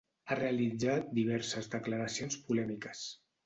Ha realitzat diverses declaracions polèmiques.